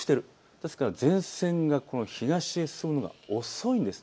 ですから前線が東へ進むのが遅いんです。